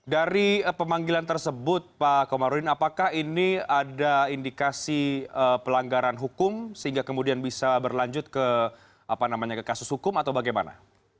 dari pemanggilan tersebut pak komarudin apakah ini ada indikasi pelanggaran hukum sehingga kemudian bisa berlanjut ke kasus hukum atau bagaimana